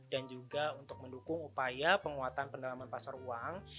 dan juga untuk mendukung upaya penguatan pendalaman pasar uang